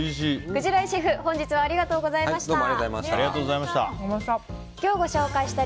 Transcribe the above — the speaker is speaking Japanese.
鯨井シェフ本日はありがとうございました。